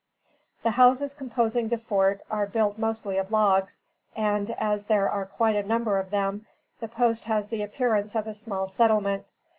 The houses composing the fort are built mostly of logs; and, as there are quite a number of them, the post has the appearance of a small settlement.